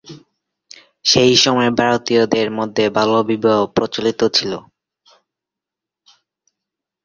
সেই সময়ে ভারতীয়দের মধ্যে বাল্যবিবাহ প্রচলিত ছিল।